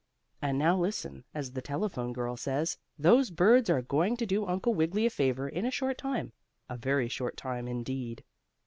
And now listen, as the telephone girl says, those birds are going to do Uncle Wiggily a favor in a short time a very short time indeed.